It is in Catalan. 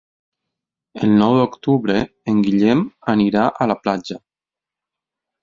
El nou d'octubre en Guillem anirà a la platja.